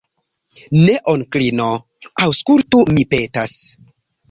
Ne, onklino, aŭskultu, mi petas.